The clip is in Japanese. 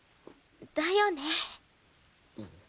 だよね。